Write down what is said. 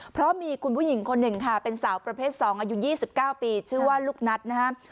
เพราะมีคุณผู้หญิงคนหนึ่งค่ะเป็นสาวประเภท๒อายุ๒๙ปีชื่อว่าลูกนัทนะครับ